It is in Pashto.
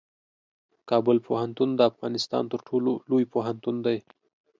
کابل پوهنتون د افغانستان تر ټولو لوی پوهنتون دی.